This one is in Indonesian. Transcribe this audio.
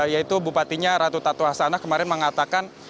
yaitu bupatinya ratu tatu asanah kemarin mengatakan